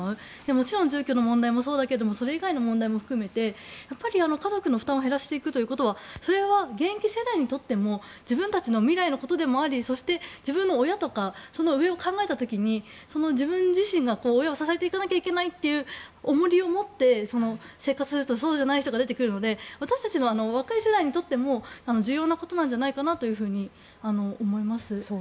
もちろん住居の問題もそうだけれどもそれ以外の問題も含めて家族の負担を減らしていくということは現役世代にとっても自分たちの未来のことでもありそして自分の親とかその上を考えた時に自分自身が親を支えていかなければいけないという重荷をもって、生活する人とそうじゃない人が出てくるので私たち若い世代にとっても重要なことなんじゃないかなと思います。